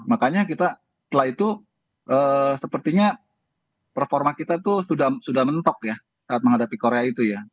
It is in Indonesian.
makanya kita setelah itu sepertinya performa kita itu sudah mentok ya saat menghadapi korea itu ya